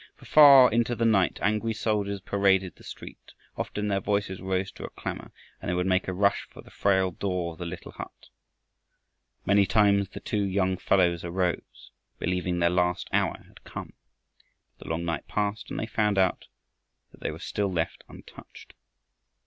For, far into the night, angry soldiers paraded the street. Often their voices rose to a clamor and they would make a rush for the frail door of the little hut. Many times the two young fellows arose, believing their last hour had come. But the long night passed and they found that they were still left untouched.